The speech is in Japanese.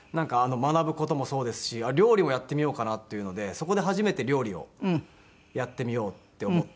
学ぶ事もそうですし料理もやってみようかなっていうのでそこで初めて料理をやってみようって思って。